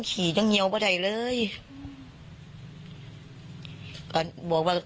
สงสันหนูเนี่ยว่าสงสันหนูเนี่ยมีกระทิแววออกได้จังไหน